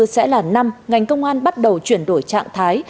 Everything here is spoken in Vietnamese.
hai nghìn hai mươi bốn sẽ là năm ngành công an bắt đầu chuyển đổi trạng thái